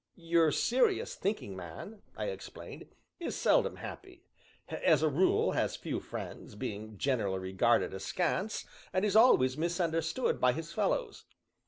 "Your serious, thinking man," I explained, "is seldom happy as a rule has few friends, being generally regarded askance, and is always misunderstood by his fellows.